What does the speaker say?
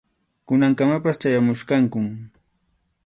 Kunankamapas chayamuchkankum.